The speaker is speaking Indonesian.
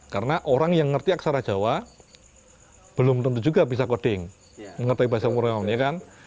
karena orang yang ngerti aksara jawa belum tentu juga bisa coding mengerti bahasa pemrograman